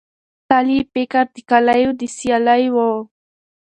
تل یې فکر د کالیو د سیالۍ وو